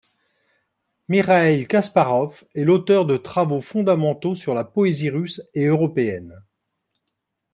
Mikhaïl Gasparov est l'auteur de travaux fondamentaux sur la poésie russe et européenne.